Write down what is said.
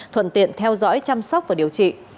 thuận tiện theo dõi chăm sóc và điều trị